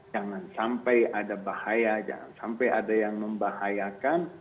jangan sampai ada bahaya jangan sampai ada yang membahayakan